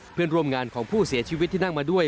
เพื่อนร่วมงานของผู้เสียชีวิตที่นั่งมาด้วย